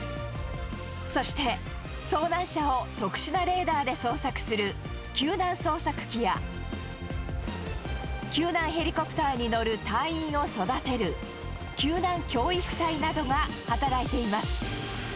そして、遭難者を特殊なレーダーで捜索する救難捜索機や、救難ヘリコプターに乗る隊員を育てる救難教育隊などが働いています。